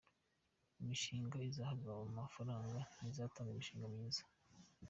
Imishinga izahabwa amafaranga ni izatanga iminshinga myiza.